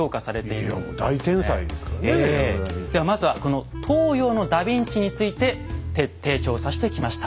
さあまずはこの東洋のダビンチについて徹底調査してきました。